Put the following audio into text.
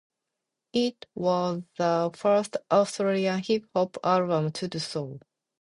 It was the first Australian hip hop album to do so.